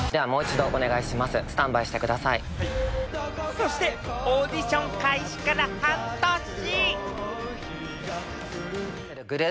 そしてオーディション開始から半年。